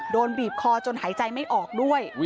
บีบคอจนหายใจไม่ออกด้วย